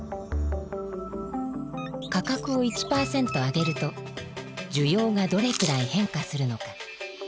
価格を１％上げると需要がどれくらい変化するのか。